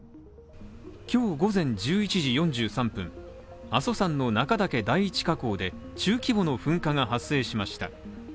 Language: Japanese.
今日午前１１時４３分、阿蘇山の中岳第一火口で中規模の噴火が発生しました。